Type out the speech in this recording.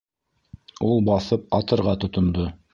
Ул баҫып атырға тотондо.